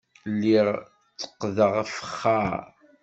Lliɣ tteqqdeɣ afexxar.